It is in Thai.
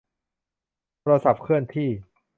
โทรศัพท์เคลื่อนที่